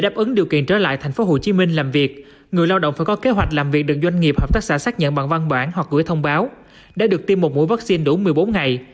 bằng văn bản hoặc gửi thông báo đã được tiêm một mũi vaccine đủ một mươi bốn ngày